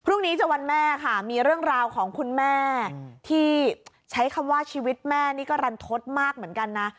พรุ่งนี้จะวันแม่ค่ะมีเรื่องราวของคุณแม่ที่ใช้คำว่าชีวิตแม่นี่ก็รันทศมากเหมือนกันนะ